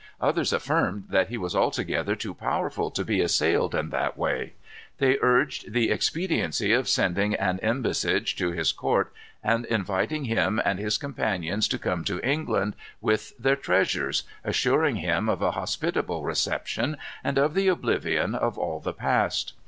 Others affirmed that he was altogether too powerful to be assailed in that way. They urged the expediency of sending an embassage to his court, and inviting him and his companions to come to England with all their treasures, assuring him of a hospitable reception and of the oblivion of all the past.